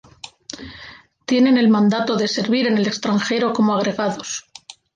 Tienen el mandato de servir en el extranjero como agregados.